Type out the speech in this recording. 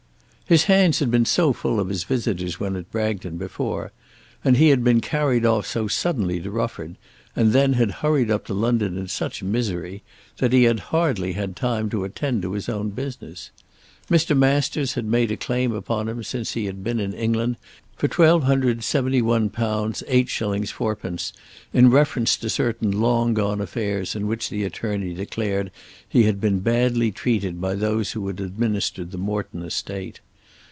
His hands had been so full of his visitors when at Bragton before, and he had been carried off so suddenly to Rufford, and then had hurried up to London in such misery, that he had hardly had time to attend to his own business. Mr. Masters had made a claim upon him since he had been in England for £127 8_s._ 4_d._ in reference to certain long gone affairs in which the attorney declared he had been badly treated by those who had administered the Morton estate.